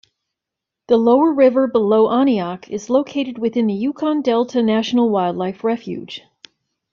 The lower river below Aniak is located within the Yukon Delta National Wildlife Refuge.